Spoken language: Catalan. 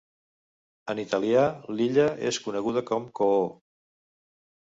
En italià, l'illa es coneguda com "Coo".